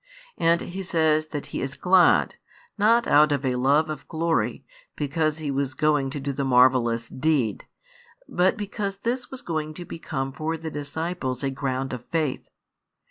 And He says that He is glad, not out of a love of glory, because He was going to do the marvellous deed, but because this was going to become for the disciples a ground of faith.